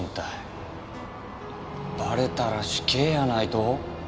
バレたら死刑やないと？